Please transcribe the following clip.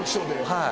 はい。